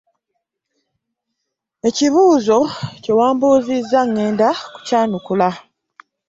Ekibuuzo kye wambuuzizza ŋŋenda kukyanukula.